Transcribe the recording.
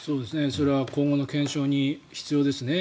それは今後の検証に必要ですね。